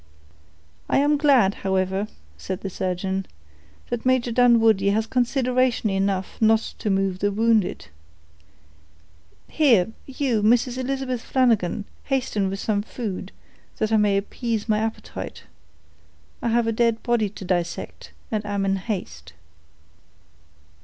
"I am glad, however," said the surgeon, "that Major Dunwoodie had consideration enough not to move the wounded. Here, you Mrs. Elizabeth Flanagan, hasten with some food, that I may appease my appetite. I have a dead body to dissect and am in haste."